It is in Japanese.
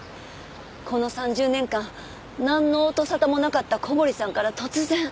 この３０年間なんの音沙汰もなかった小堀さんから突然。